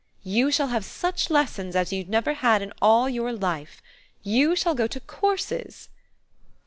"You shall have such lessons as you've never had in all your life. You shall go to courses."